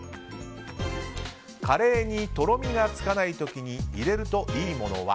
カレーにとろみがつかない時に入れるといいものは。